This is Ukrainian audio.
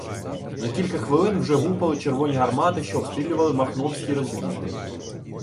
За кілька хвилин вже гупали червоні гармати, що обстрілювали махновські роз'їзди.